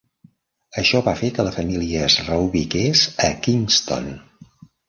Això va fer que la família es reubiqués a Kingston.